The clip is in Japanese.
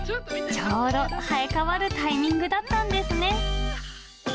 ちょうど生え変わるタイミングだったんですね。